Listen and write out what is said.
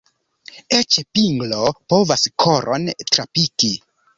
Eĉ pinglo povas koron trapiki.